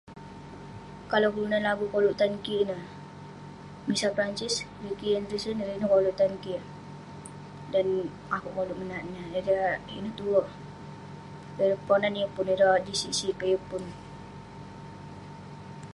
Kalau kelunan lagu koluk tan kik ineh, Melissa Francis, Ricky Andrewson ; ireh ineh koluk tan kik. Dan akouk menat ineh, tajak ireh ineh tue. Ireh Ponan yeng pun, ireh jin sik sik peh yeng pun.